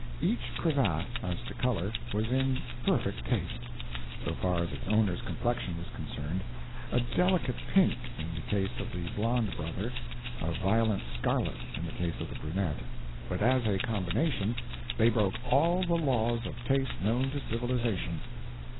Each cravat, as to color, was in perfect taste, so far as its owner's complexion was concerned a delicate pink, in the case of the blond brother, a violent scarlet in the case of the brunette but as a combination they broke all the laws of taste known to civilization.